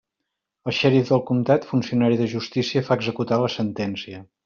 El xèrif del comtat, funcionari de justícia, fa executar la sentència.